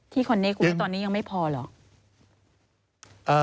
ที่ควรเนกวิวตอนนี้ยังไม่พอหรือ